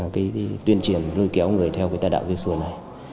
cái tuyên truyền lôi kéo người theo cái tà đạo dê sùa này